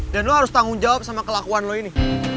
dan lo harus tanggung jawab sama kelakuan lo ini